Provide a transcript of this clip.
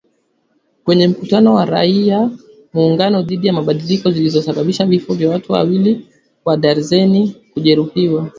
Kwenye mkutano wa raia muungano dhidi ya mabadiliko zilisababisha vifo vya watu wawili na darzeni kujeruhiwa